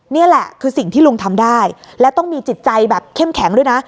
นี่แหละคือสิ่งที่ลุงทำได้และต้องมีจิตใจแบบเข้มแข็งด้วยนะ